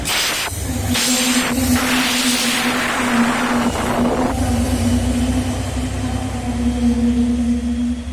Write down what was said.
Comercialmente no se ha explotado en acuicultura, aunque sí en acuariología.